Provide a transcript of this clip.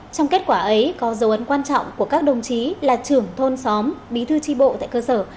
trong kết quả ấy có dấu ấn quan trọng của các đồng chí là trưởng thôn xóm bí thư tri bộ tại cơ sở